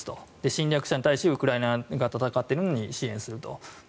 侵略者に対しウクライナが戦っているのに支援すると。